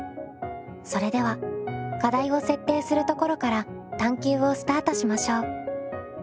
それでは課題を設定するところから探究をスタートしましょう。